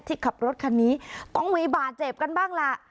ที่ขับรถคันนี้ต้องมีบาดเจ็บกันบ้างล่ะ